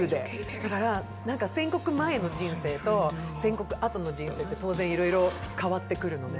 だから宣告前の人生と、宣告後の人生って当然いろいろ変わってくるのね。